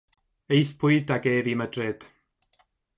Aethpwyd ag ef i Madrid.